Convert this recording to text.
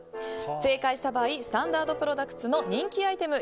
正解した場合スタンダードプロダクツの人気アイテム